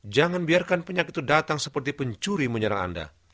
jangan biarkan penyakit itu datang seperti pencuri menyerang anda